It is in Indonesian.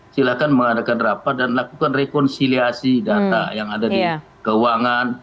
silahkan mengadakan rapat dan lakukan rekonsiliasi data yang ada di keuangan